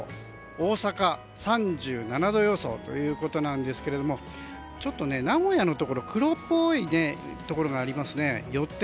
大阪、３７度予想ということなんですけれどもちょっと名古屋のところ黒っぽいところがありますね。